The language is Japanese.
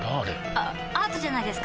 あアートじゃないですか？